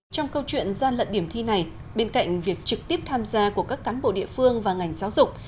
trong câu chuyện gian lận điểm thi này bên cạnh việc trực tiếp tham gia của các cán bộ địa phương và ngành giáo dục